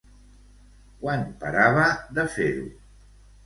Quan parava de fer-ho?